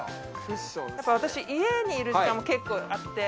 私家にいる時間も結構あって。